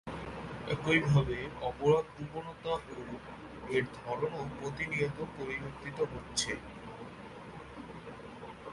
একইভাবে অপরাধ প্রবণতা ও এর ধরনও প্রতিনিয়ত পরিবর্তিত হচ্ছে।